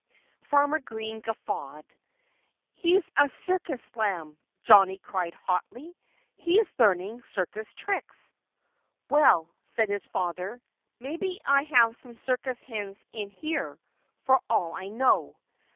Farmer Green guffawed. "He's a circus lamb!" Johnnie cried hotly. "He's learning circus tricks!" "Well," said his father, "maybe I have some circus hens in here, for all I know.